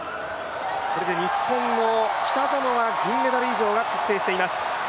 これで日本の北園は銀メダル以上が確定しています。